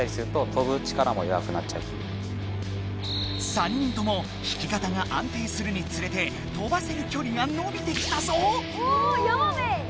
３人とも引き方があんていするにつれて飛ばせる距離が伸びてきたぞ！